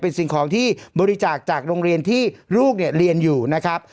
เป็นสิ่งของที่บริจาคจากโรงเรียนที่ลูกเนี่ยเรียนอยู่นะครับ